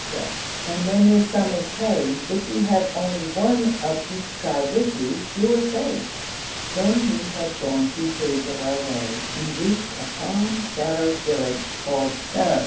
and when this sum is paid, if you have only one of each tribe with you, you are safe. When we had gone two thirds of our way we reached a palm shadowed village called Zarafa.